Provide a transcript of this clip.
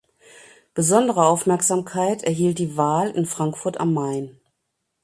Besondere Aufmerksamkeit erhielt die Wahl in Frankfurt am Main.